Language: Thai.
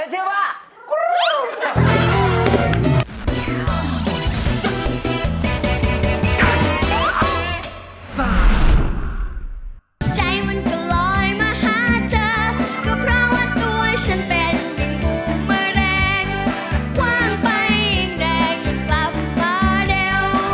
ยังกลับมาเร็ว